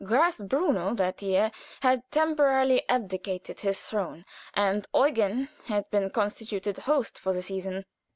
Graf Bruno that year had temporarily abdicated his throne, and Eugen had been constituted host for the season.